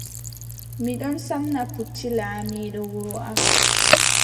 Mi ɗon samna pucci laamiiɗo wuro am.